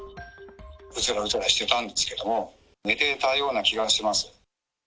うつらうつらしてたんですけども、寝ていたような気がします。